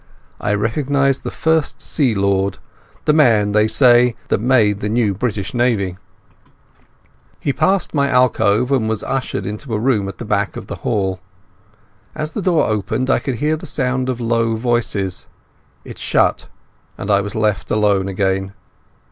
I recognized the First Sea Lord, the man, they say, that made the new British Navy. He passed my alcove and was ushered into a room at the back of the hall. As the door opened I could hear the sound of low voices. It shut, and I was left alone again.